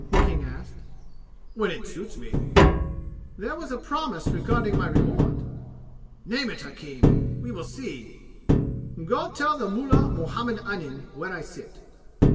King asked. "When it suits me." "There was a promise regarding my reward." "Name it, hakim! We will see." "Go tell the mullah Muhammad Anim where I sit!"